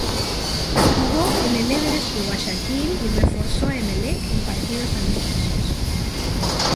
Jugó en el Everest de Guayaquil y reforzó a Emelec en partidos amistosos.